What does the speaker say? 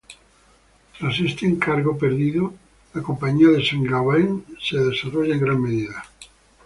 Tras este encargo perdido, la Compagnie de Saint-Gobain se desarrolló en gran medida.